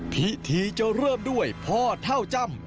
พิธีจะเริ่มด้วยพ่อเท่าจ้ำ